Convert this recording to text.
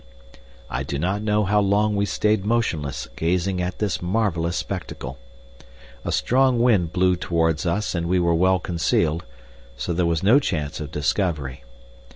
I do not know how long we stayed motionless gazing at this marvelous spectacle. A strong wind blew towards us and we were well concealed, so there was no chance of discovery.